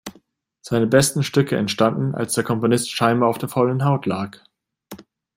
Seine besten Stücke entstanden, als der Komponist scheinbar auf der faulen Haut lag.